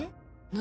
何？